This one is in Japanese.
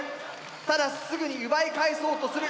ただすぐに奪い返そうする。